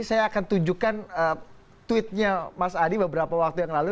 saya akan tunjukkan tweetnya mas adi beberapa waktu yang lalu